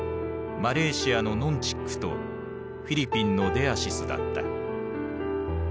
マレーシアのノン・チックとフィリピンのデアシスだった。